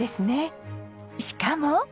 しかも。